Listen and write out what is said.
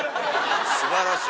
素晴らしい。